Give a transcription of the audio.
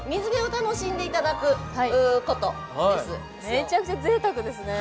めちゃくちゃぜいたくですね。